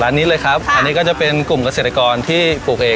อันนี้เลยครับอันนี้ก็จะเป็นกลุ่มเกษตรกรที่ปลูกเอง